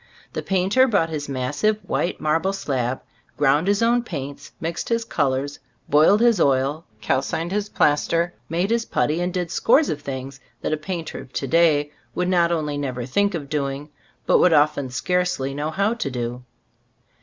The painter brought his massive white marble slab, ground his own paints, mixed his colors, boiled his oil, cal cined his plaster, made his putty and did scores of things that a painter of to day would not only never think of doing, but would often scarcely know how to do.